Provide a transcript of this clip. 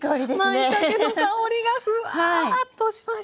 まいたけの香りがフワッとしました。